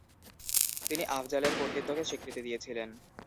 তিনি আফযালের কর্তৃত্বকে স্বীকৃতি দিয়েছিলেন।